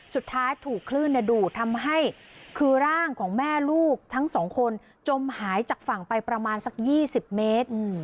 สุดท้ายถูกคลื่นดูดทำให้คือร่างของแม่ลูกทั้งสองคนจมหายจากฝั่งไปประมาณสัก๒๐เมตร